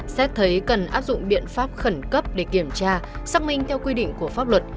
xét thấy cần áp dụng biện pháp khẩn cấp để kiểm tra xác minh theo quy định của pháp luật